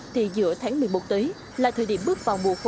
thì giữa tháng một mươi một tới là thời điểm bước vào mùa khô